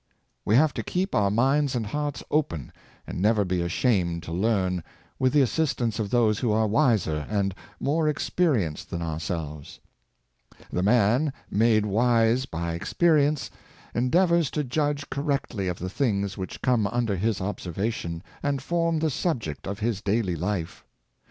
We have to keep our minds and hearts open, and never be ashamed to learn, with the assistance of those who are wiser and more experienced than ourselves. The man made wise by experience endeavors to judge correctly of the things which come under his observa tion, and form the subject of his daily life.